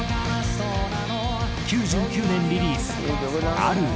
９９年リリース『アルエ』。